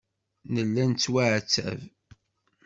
Nella nettwaɛettab.